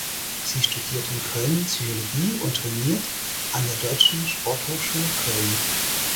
Sie studiert in Köln Psychologie und trainiert an der Deutschen Sporthochschule Köln.